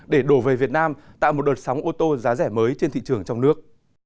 để đổ về việt nam tạo một đợt sóng ô tô giá rẻ mới trên thị trường trong nước